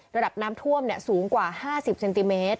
ระดับน้ำท่วมสูงกว่า๕๐เซนติเมตร